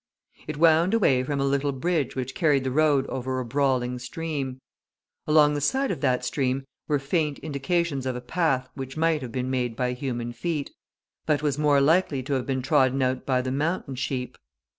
It wound away from a little bridge which carried the road over a brawling stream; along the side of that stream were faint indications of a path which might have been made by human feet, but was more likely to have been trodden out by the mountain sheep.